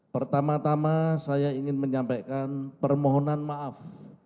pertama tama saya ingin menyampaikan permohonan maaf